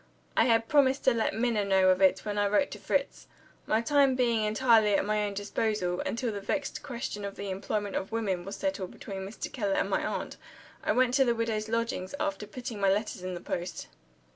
I had promised to let Minna know of it when I wrote to Fritz. My time being entirely at my own disposal, until the vexed question of the employment of women was settled between Mr. Keller and my aunt, I went to the widow's lodgings, after putting my letters in the post.